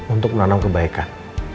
untuk menanam kebaikan